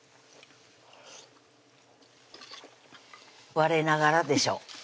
われながらでしょ